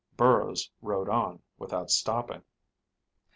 Burrows rode on without stopping.